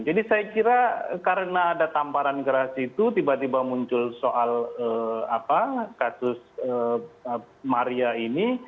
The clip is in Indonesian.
jadi saya kira karena ada tamparan geras itu tiba tiba muncul soal kasus maria ini